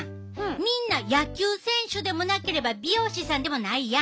みんな野球選手でもなければ美容師さんでもないやん。